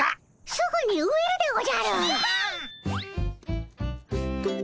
すぐに植えるでおじゃる！